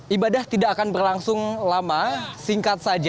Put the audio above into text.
ibadah tidak akan berlangsung lama